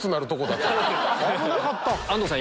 安藤さん